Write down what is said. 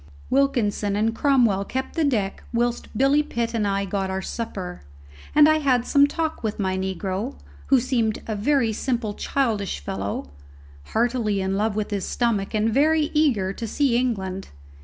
Wilkinson and Cromwell kept the deck whilst Billy Pitt and I got our supper, and I had some talk with my negro, who seemed to be a very simple childish fellow, heartily in love with his stomach and very eager to see England.